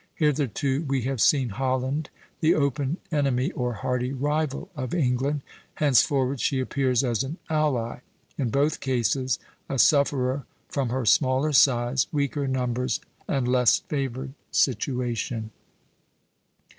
" Hitherto we have seen Holland the open enemy or hearty rival of England; henceforward she appears as an ally, in both cases a sufferer from her smaller size, weaker numbers, and less favored situation.